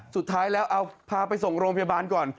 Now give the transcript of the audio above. สุดท้ายแล้วเอาพาไปส่งโรงพยาบาลก่อน